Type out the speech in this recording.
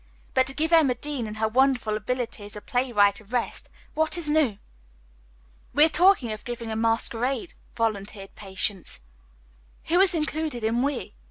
"But to give Emma Dean and her wonderful ability as a playwright a rest, what is new?" "We are talking of giving a masquerade," volunteered Patience. "Who is included in 'we'?"